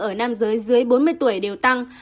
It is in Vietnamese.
ở nam giới dưới bốn mươi tuổi đều tăng